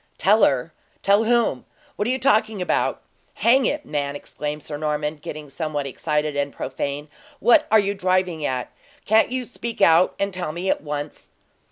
"Tell her? Tell whom? What are you talking about? Hang it, man!" exclaimed Sir Norman, getting somewhat excited and profane, "what are you driving at? Can't you speak out and tell me at once?"